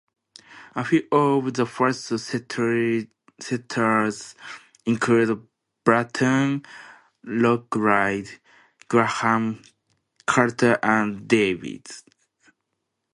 A few of the first settlers include Bratton, Lockridge, Graham, Carter, and Davis.